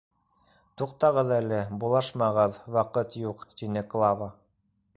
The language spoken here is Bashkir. — Туҡтағыҙ әле, булашмағыҙ, ваҡыт юҡ, — тине Клава.